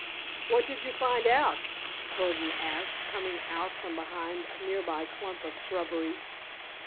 "What did you find out?" Burdon asked, coming out from behind a nearby clump of shrubbery.